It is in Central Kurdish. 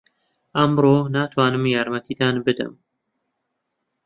ئەمڕۆ ناتوانم یارمەتیتان بدەم.